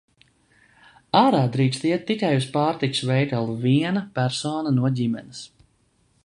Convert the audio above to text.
Ārā drīkst iet tikai uz pārtikas veikalu viena persona no ģimenes.